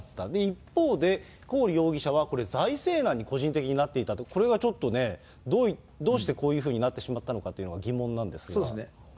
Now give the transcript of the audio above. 一方、コーリ容疑者はこれ、財政難に個人的になっていたと、これがちょっとね、どうしてこういうふうになってしまったのかとそうですね。